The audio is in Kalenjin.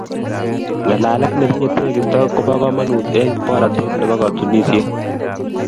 Ng'alaalet ne tinye teegisto ko bo komonuut eng boroteet nebo katunisieet